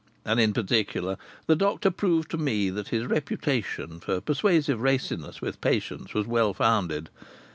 And in particular the doctor proved to me that his reputation for persuasive raciness with patients was well founded.